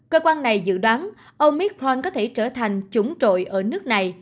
cơ quan này dự đoán omicron có thể trở thành chủng trội ở nước này